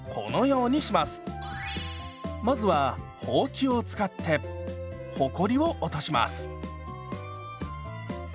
まずはほうきを使ってほこりを落とします。